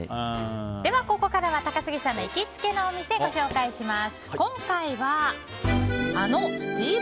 では、ここからは高杉真宙さんの行きつけのお店をご紹介します。